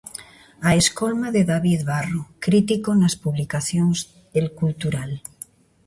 A escolma de David Barro, crítico nas publicacións El Cultural.